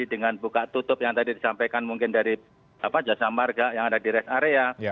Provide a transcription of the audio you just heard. dengan buka tutup yang tadi disampaikan mungkin dari jasa marga yang ada di rest area